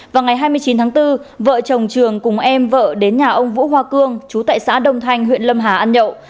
vào ngày hai mươi chín tháng bốn vợ chồng trường cùng em vợ đến nhà ông vũ hoa cương chú tại xã đông thanh huyện lâm hà ăn nhậu